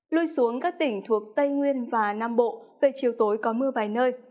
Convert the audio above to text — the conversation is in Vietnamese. lui xuống các tỉnh thuộc tây nguyên và nam bộ về chiều tối có mưa vài nơi